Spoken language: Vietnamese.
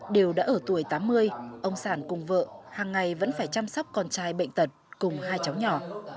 đều đã ở tuổi tám mươi ông sản cùng vợ hàng ngày vẫn phải chăm sóc con trai bệnh tật cùng hai cháu nhỏ